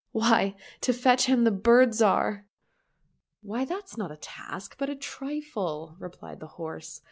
—" Why, to fetch him the Bird Zhar."— " Why that's not a task, but a trifle," replied the horse.